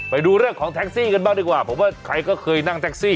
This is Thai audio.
ไปดูเรื่องของแท็กซี่กันบ้างดีกว่าผมว่าใครก็เคยนั่งแท็กซี่